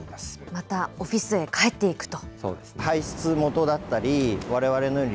またオフィスへ帰っていくと。